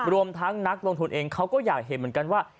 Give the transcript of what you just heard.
รวมทั้งนักลงทุนเองเขาก็อยากเห็นเหมือนกันว่า